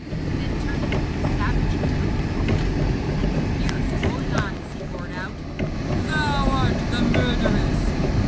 Then, turning, he savagely looked at the queen, and with fierce rolling eyes he roared out: 'Thou art the murderess!